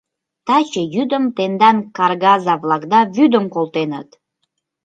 — Таче йӱдым тендан каргаза-влакда вӱдым колтеныт!